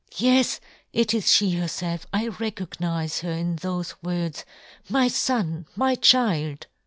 " Yes, it is fhe herfelf ! I recognize " her in thofe words, my fon ! my " child